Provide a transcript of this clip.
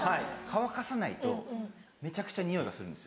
乾かさないとめちゃくちゃ臭いがするんですよ。